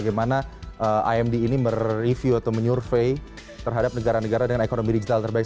bagaimana imd ini mereview atau menyurvey terhadap negara negara dengan ekonomi digital terbaik